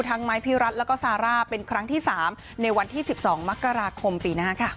ไม้พี่รัฐแล้วก็ซาร่าเป็นครั้งที่๓ในวันที่๑๒มกราคมปีหน้าค่ะ